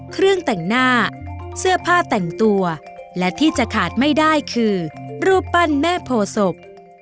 เครื่องแต่งหน้าเสื้อผ้าแต่งตัวและที่จะขาดไม่ได้คือรูปปั้นแม่โพศพ